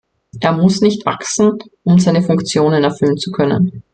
Er muss nicht wachsen, um seine Funktionen erfüllen zu können.